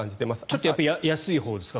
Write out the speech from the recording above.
ちょっとやっぱり安いほうですか？